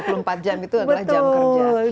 dua puluh empat jam itu adalah jam kerja